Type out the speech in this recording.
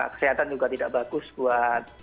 kesehatan juga tidak bagus buat